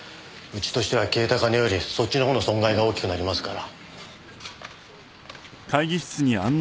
うちとしては消えた金よりそっちの方の損害が大きくなりますから。